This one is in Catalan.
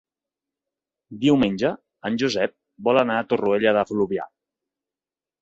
Diumenge en Josep vol anar a Torroella de Fluvià.